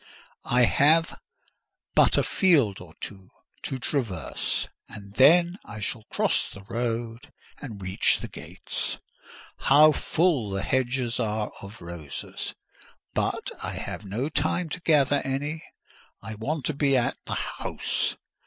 I have but a field or two to traverse, and then I shall cross the road and reach the gates. How full the hedges are of roses! But I have no time to gather any; I want to be at the house.